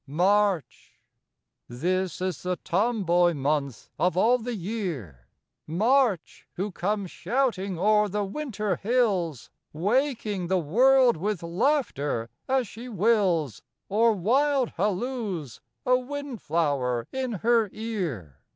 III March This is the tomboy month of all the year, March, who comes shouting o'er the winter hills, Waking the world with laughter, as she wills, Or wild halloos, a windflower in her ear.